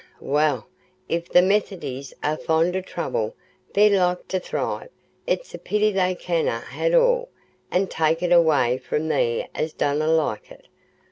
Eh! Well, if the Methodies are fond o' trouble, they're like to thrive: it's a pity they canna ha't all, an' take it away from them as donna like it.